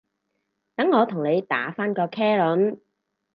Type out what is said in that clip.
等我同你打返個茄輪